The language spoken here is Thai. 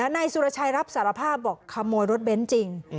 นายสุรชัยรับสารภาพบอกขโมยรถเบ้นจริง